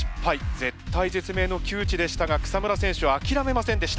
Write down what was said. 絶体絶命の窮地でしたが草村選手は諦めませんでした。